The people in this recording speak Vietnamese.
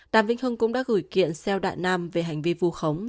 đàm vĩnh hưng cũng đã gửi kiện xeo đại nam về hành vi vù khống